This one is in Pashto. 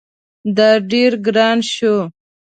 دا ډیر ګران شو